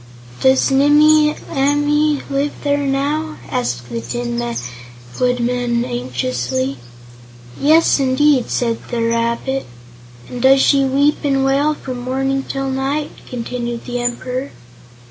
"Does Nimmie Amee live there now?" asked the Tin Woodman anxiously. "Yes, indeed," said the rabbit. "And does she weep and wail from morning till night?" continued the Emperor.